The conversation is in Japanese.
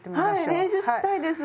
はい練習したいです。